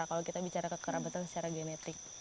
kalau kita bicara kekerabatan secara genetik